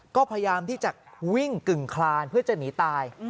ก็พยายามที่จะวิ่งกึ่งคลานเพื่อจะหนีตาย